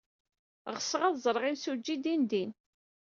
Ɣseɣ ad ẓreɣ imsujji dindin.